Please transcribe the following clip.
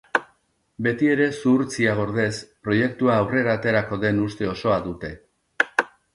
Betiere zuhurtzia gordez, proiektua aurrera aterako den uste osoa dute.